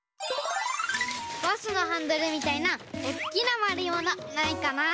バスのハンドルみたいなおっきなまるいものないかな？